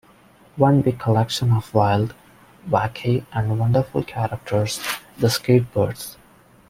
One big collection of wild, wacky and wonderful characters...The Skatebirds!